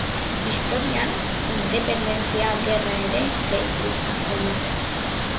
Historian independentzia gerra ere deitu izan zaio.